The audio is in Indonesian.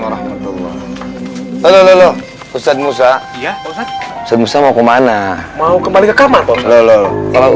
arhamatullah lalu ustadz musa kesempatan sewaktu mana mau kembali ke kamar lalu kalau